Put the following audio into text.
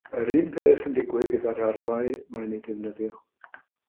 Mae'r un peth yn digwydd gyda'r arfau mae'n eu defnyddio.